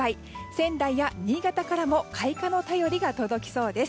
仙台や新潟からも開花の便りが届きそうです。